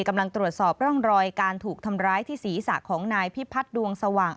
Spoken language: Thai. กำลังตรวจสอบร่องรอยการถูกทำร้ายที่ศีรษะของนายพิพัฒน์ดวงสว่าง